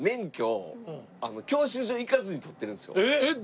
えっ？